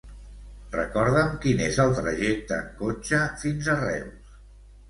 Recorda'm quin és el trajecte en cotxe fins a Reus.